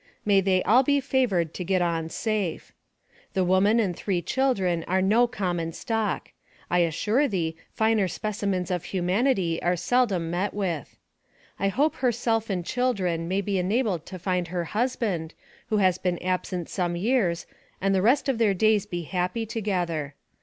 May they all be favored to get on safe. The woman and three children are no common stock. I assure thee finer specimens of humanity are seldom met with. I hope herself and children may be enabled to find her husband, who has been absent some years, and the rest of their days be happy together.